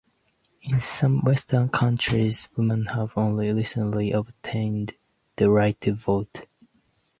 In some Western countries women have only recently obtained the right to vote.